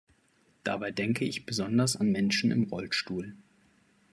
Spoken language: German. Dabei denke ich besonders an Menschen im Rollstuhl.